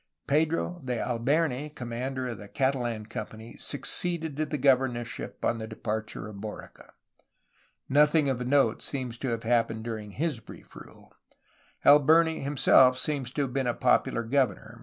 Pedro de Alberni, commander of the Catalan company, succeeded to the governorship on the departure of Borica. Nothing of note happened during his brief rule. Alberni himself seems to have been a popular governor.